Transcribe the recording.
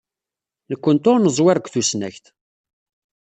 Nekkenti ur neẓwir deg tusnakt.